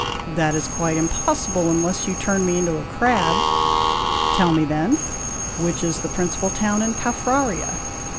"That is quite impossible, unless you turn me into a crab." "Tell me, then, which is the principal town in Caffraria?"